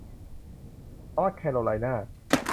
นอร์ทแคโรไลนา